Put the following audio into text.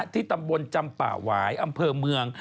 ที่ตำบลจำป่าหวายอำเภอเมือง